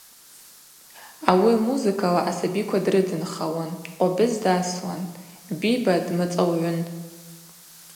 Ауи музыкала асабиква дрыдынхалуан, къвабыз дасуан, Биба дмацӏаугӏвын.